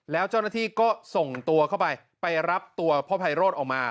แล้วเจ้าหน้าที่ก็ส่งตัวเข้าไปไปรับตัวพ่อไพโรธออกมา